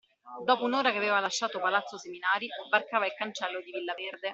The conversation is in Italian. Dopo un'ora che aveva lasciato palazzo Seminari varcava il cancello di Villa Verde.